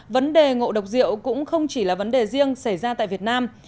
vấn đề ngộ độc rượu cũng không chỉ là vấn đề riêng xảy ra tại việt nam